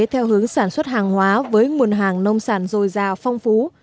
theo hướng sản xuất hàng hóa với nguồn hàng nông sản dồi dào phong phú